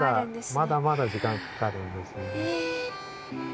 まだまだ時間かかるんですよね。